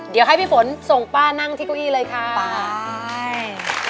เดี๋ยวให้พี่ฝนส่งป้านั่งที่กุ้ยเลยค่ะป๊าย